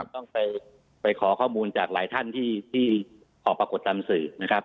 ต้องไปขอข้อมูลจากหลายท่านที่ออกปรากฏตามสื่อนะครับ